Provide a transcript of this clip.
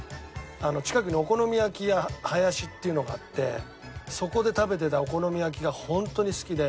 近くにお好み焼き屋「はやし」っていうのがあってそこで食べてたお好み焼きが本当に好きで。